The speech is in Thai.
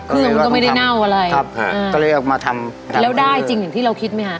เครื่องมันก็ไม่ได้เน่าอะไรครับแล้วได้จริงอย่างที่เราคิดไหมฮะ